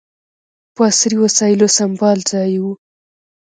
په عصري وسایلو سمبال ځای یې و.